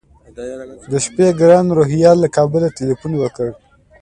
د شپې ګران روهیال له کابله تیلفون وکړ.